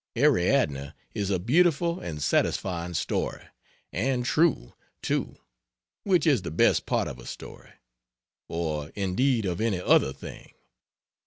Ariadne is a beautiful and satisfying story; and true, too which is the best part of a story; or indeed of any other thing.